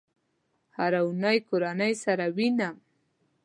هره اونۍ کورنۍ سره وینم